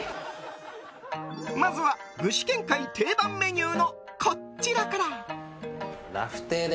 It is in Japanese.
まずは具志堅会定番メニューのこちらから。